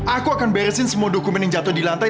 aku akan beresin semua dokumen yang jatuh di lantai